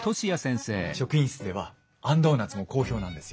職員室ではあんドーナツも好評なんですよ。